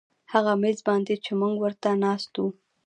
هغه میز باندې چې موږ ورته ناست وو